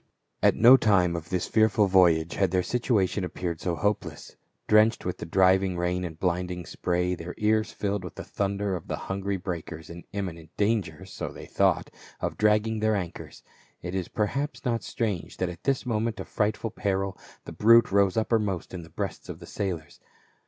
At no time of this fearful voyage had their situa tion appeared so hopeless ; drenched with the driving rain and blinding spray, their ears filled with the thunder of the hungry breakers, in imminent danger — so they thought — of dragging their anchors, it is per haps not strange that at this moment of frightful peril the brute rose uppermost in the breasts of the sailors.